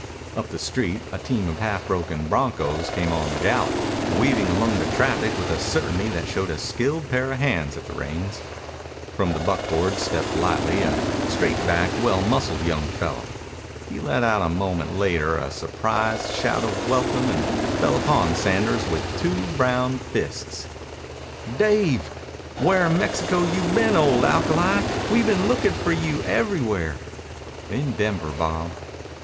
Up the street a team of half broken broncos came on the gallop, weaving among the traffic with a certainty that showed a skilled pair of hands at the reins. From the buckboard stepped lightly a straight backed, well muscled young fellow. He let out a moment later a surprised shout of welcome and fell upon Sanders with two brown fists. "Dave! Where in Mexico you been, old alkali? We been lookin' for you everywhere." "In Denver, Bob."